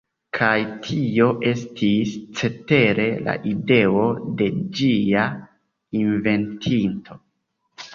Kaj tio estis, cetere, la ideo de ĝia inventinto.